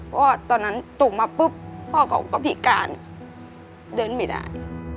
เพราะว่าตอนนั้นตกมาปุ๊บพ่อเขาก็พิการเดินไม่ได้